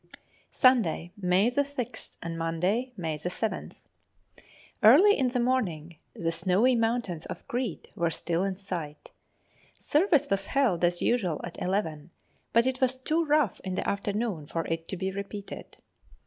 Sunday, May 6th, and Monday, May 7th. Early in the morning the snowy mountains of Crete were still in sight. Service was held as usual at eleven, but it was too rough in the afternoon for it to be repeated.